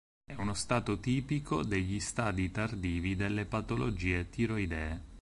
È uno stato tipico degli stadi tardivi delle patologie tiroidee.